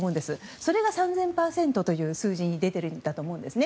それが３０００％という数字に出てると思うんですね。